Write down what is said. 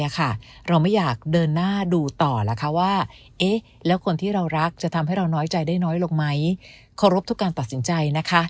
ขอรบทุกการตัดสินใจนะคะ